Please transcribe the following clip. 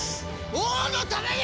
王のために！